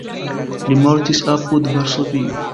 Li mortis apud Varsovio.